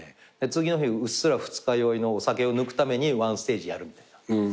次の日うっすら二日酔いのお酒を抜くために１ステージやるみたいな。